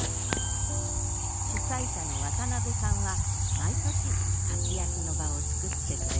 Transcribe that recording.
主催者の渡辺さんは毎年活躍の場を作ってくれた大恩人。